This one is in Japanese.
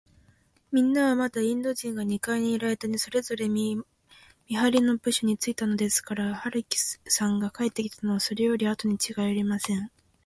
みんなは、まだインド人が二階にいるあいだに、それぞれ見はりの部署についたのですから、春木さんが帰ってきたのは、それよりあとにちがいありません。